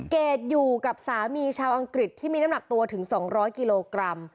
เกดอยู่กับสามีชาวอังกฤษที่มีน้ำหนักตัวถึง๒๐๐กิโลกรัม